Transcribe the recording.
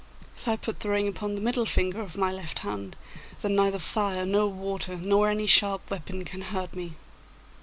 If I put the ring upon the middle finger of my left hand, then neither fire nor water nor any sharp weapon can hurt me.